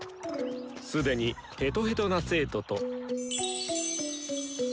既にヘトヘトな生徒と。